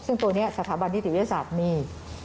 ซึ่งตัวนี้สถาบันนิติวิทยาศาสตร์มี